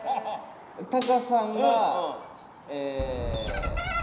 タカさんがええー。